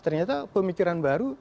ternyata pemikiran baru